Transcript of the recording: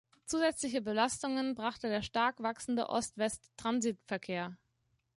Zusätzliche Belastungen brachte der stark wachsende Ost-West-Transitverkehr.